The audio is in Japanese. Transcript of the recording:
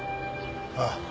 ああ。